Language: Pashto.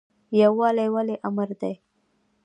یووالی ولې امر دی؟